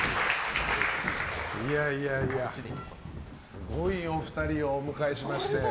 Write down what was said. すごいお二人をお迎えしまして。